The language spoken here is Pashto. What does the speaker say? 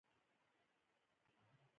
هغه پیاله ترې واخیسته او د شربت سر یې خلاص کړ